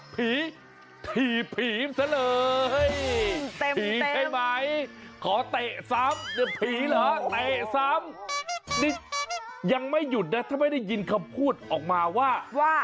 พี่ไอ้กลัวไอ้ไปดีกว่า